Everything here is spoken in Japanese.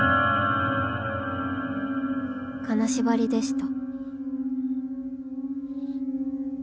［金縛りでした］